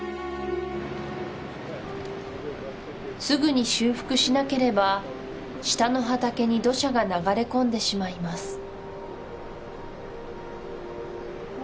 すぐに修復しなければ下の畑に土砂が流れ込んでしまいます